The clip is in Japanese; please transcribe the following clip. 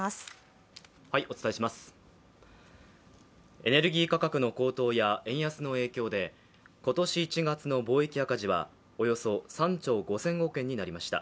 エネルギー価格の高騰や円安の影響で今年１月の貿易赤字はおよそ３兆５０００億円になりました。